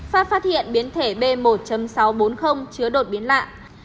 pháp phát hiện biến thể b một sáu trăm bốn mươi chứa đột biến lạng